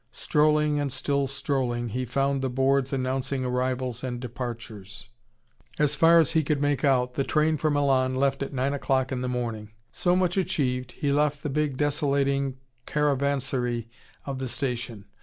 Strolling and still strolling, he found the boards announcing Arrivals and Departures. As far as he could make out, the train for Milan left at 9:00 in the morning. So much achieved, he left the big desolating caravanserai of the station.